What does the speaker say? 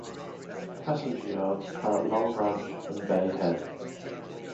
Passenger yards are at Long Branch and Bay Head.